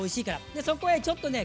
でそこへちょっとね